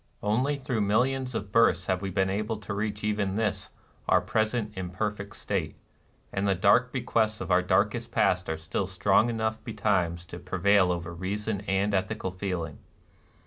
Only through millions of births have we been able to reach even this our present imperfect state; and the dark bequests of our darkest past are still strong enough betimes to prevail over reason and ethical feeling.